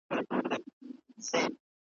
که د ژ مي و ر ځ سړ ه ده هم تیر یږ ي